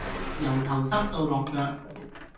由頭濕到落腳